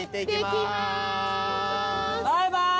バイバイ！